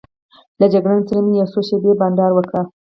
له جګړن سره مې یو څو شېبې بانډار وکړ.